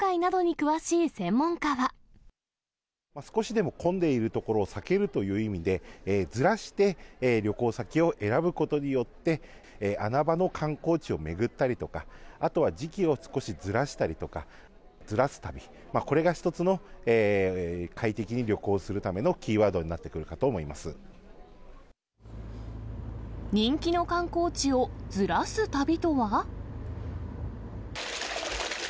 少しでも混んでいる所を避けるという意味で、ずらして旅行先を選ぶことによって、穴場の観光地を巡ったりとか、あとは時期を少しずらしたりとか、ずらす旅、これが一つの快適に旅行するためのキーワードになってくるかと思人気の観光地をずらす旅とは？